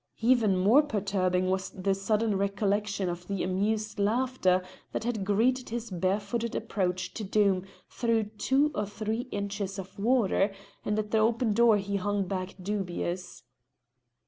Even more perturbing was the sudden recollection of the amused laughter that had greeted his barefooted approach to Doom through two or three inches of water, and at the open door he hung back dubious.